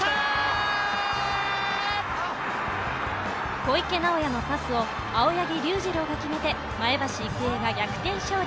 小池直矢のパスを青柳龍次郎が決めて前橋育英が逆転勝利。